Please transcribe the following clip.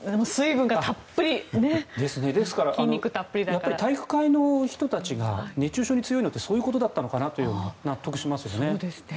ですから体育会系の人たちが熱中症に強いのってそういうことだったのかなって納得しますよね。